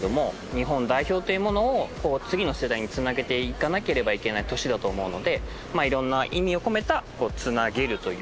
日本代表というものを次の世代に繋げていかなければいけない年だと思うので色んな意味を込めた「繋げる」という。